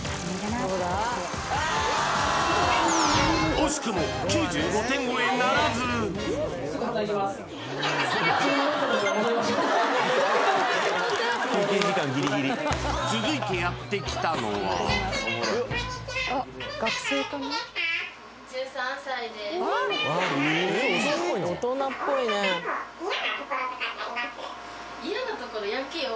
惜しくも９５点超えならず続いてやってきたのはこんにちは嫌なところ？